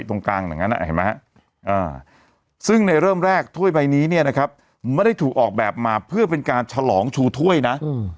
ตรงกลางเห็นไหมครับซึ่งในเริ่มแรกถ้วยใบนี้ไม่ได้ถูกออกแบบมาเพื่อเป็นการฉลองชูถ้วยนะ